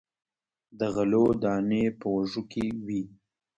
د غلو دانې په وږو کې وي.